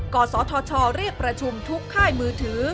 กศธชเรียกประชุมทุกค่ายมือถือ